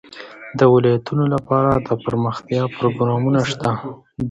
د ولایتونو لپاره دپرمختیا پروګرامونه شته دي.